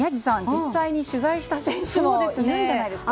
実際に取材した選手もいるんじゃないですか？